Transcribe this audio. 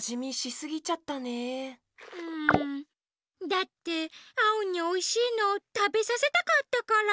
だってアオにおいしいのたべさせたかったから。